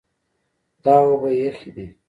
دا اوبه یخې دي.